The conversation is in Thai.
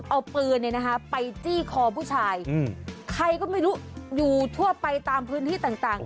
เอาปืนไปจี้คอผู้ชายใครก็ไม่รู้อยู่ทั่วไปตามพื้นที่ต่าง